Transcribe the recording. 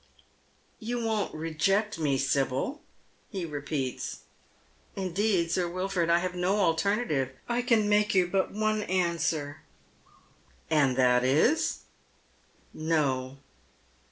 " You won't reject me, Sibyl ?" he repeats. " Indeed, Sir Wilford, I have no alternative. I can make you but one answer." " And that is " "No."